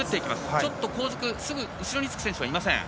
ちょっと後続、後ろにつく選手はいません。